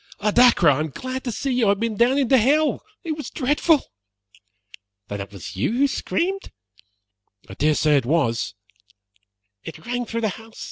"Oh, Dacre, I am glad to see you! I have been down into hell. It was dreadful." "Then it was you who screamed?" "I dare say it was." "It rang through the house.